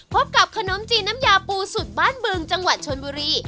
พบกับขนมจีนน้ำยาปูสุดบ้านบึงจังหวัดชนบุรี